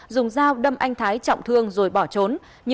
dùng dao đâm anh thái trọng thương rồi bỏ trốn